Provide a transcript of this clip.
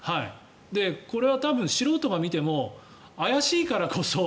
これは多分、素人が見ても怪しいからこそ。